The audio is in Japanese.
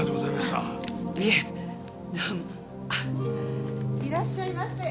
あっいらっしゃいませ。